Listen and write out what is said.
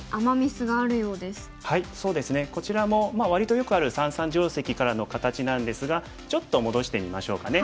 そうですねこちらも割とよくある三々定石からの形なんですがちょっと戻してみましょうかね。